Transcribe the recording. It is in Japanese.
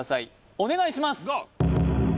お願いします！